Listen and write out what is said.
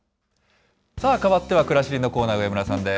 さあ、変わってはくらしりのコーナーです。